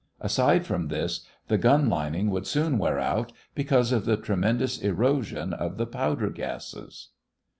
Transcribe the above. Aside from this, the gun lining would soon wear out because of the tremendous erosion of the powder gases.